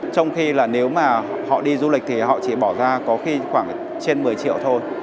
trong khi là nếu mà họ đi du lịch thì họ chỉ bỏ ra có khi khoảng trên một mươi triệu thôi